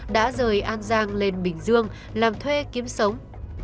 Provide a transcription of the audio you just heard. đã rời an giang lên bình dương làm thuê kiếm sống